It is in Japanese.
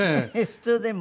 普通でも。